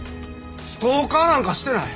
ストーカーなんかしてない！